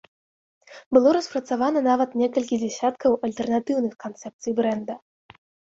Было распрацавана нават некалькі дзясяткаў альтэрнатыўных канцэпцый брэнда.